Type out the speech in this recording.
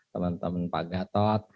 teman teman pak gatot